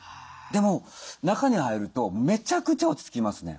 でも中に入るとめちゃくちゃ落ち着きますね。